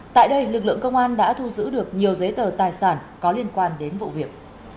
tại đây lực lượng công an đã thu giữ được nhiều giấy tờ tài sản có liên quan đến vụ việc